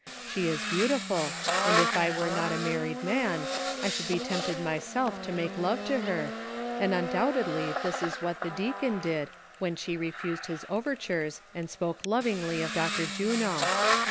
Slie is beautiful, and if I were not a married man, I should be tempted myself to make love to her, and undoubtedly this is what the deacon did, when she refused his overtures and spoke lovingly of Dr. Juno.